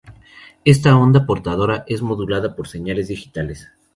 Esta onda portadora es modulada por señales digitales.